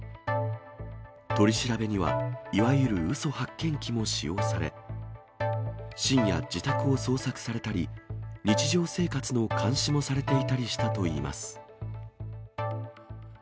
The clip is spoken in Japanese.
取り調べには、いわゆるうそ発見器も使用され、深夜、自宅を捜索されたり、日常生活の監視もされていたりしたといいます。